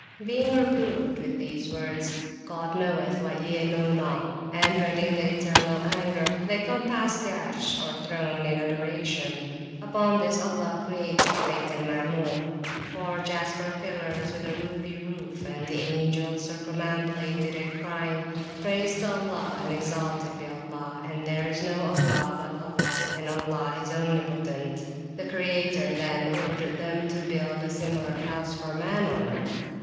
Being reproved with these words, God knoweth what ye know not, and dreading the eternal anger, they compassed the Arsh, or throne, in adoration. Upon this Allah created the Bayt al Maamur, four jasper pillars with a ruby roof, [p.320] and the angels circumambulated it, crying, Praise to Allah, and exalted be Allah, and there is no ilah but Allah, and Allah is omnipotent! The Creator then ordered them to build a similar house for man on earth.